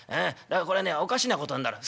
これねおかしなことになる。